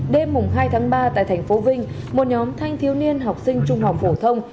đêm hai ba tại tp vinh một nhóm thanh thiếu niên học sinh trung học phổ thông